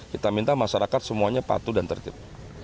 kita minta masyarakat semuanya patuh dan tertib